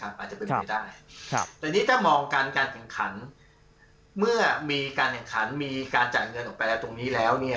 แต่นี่ถ้ามองการแข่งคันเมื่อมีการแข่งคันมีการจ่ายเงินออกไปแล้วตรงนี้แล้ว